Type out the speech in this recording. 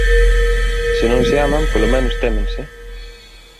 Se non se aman, polo menos témense.